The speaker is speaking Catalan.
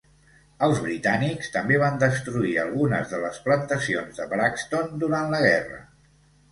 Els britànics també van destruir algunes de les plantacions de Braxton durant la guerra.